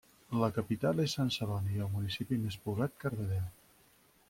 La capital és Sant Celoni, i el municipi més poblat, Cardedeu.